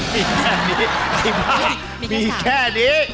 มีแค่นี้มีแค่นี้